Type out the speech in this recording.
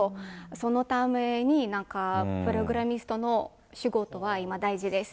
そのために、プログラマーの仕事は今、大事です。